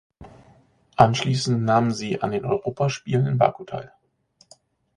Anschließend nahmen sie an den Europaspielen in Baku teil.